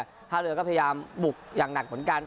ท่าเรือก็พยายามบุกอย่างหนักเหมือนกัน